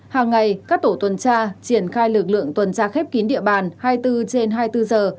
hàng ngày các tổ tuần tra triển khai lực lượng tuần tra khép kín địa bàn hai mươi bốn trên hai mươi bốn giờ